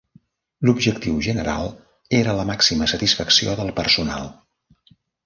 L'objectiu general era la màxima satisfacció del personal.